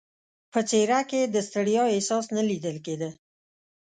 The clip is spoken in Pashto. په څېره کې یې د ستړیا احساس نه لیدل کېده.